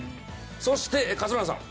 そして勝村さん。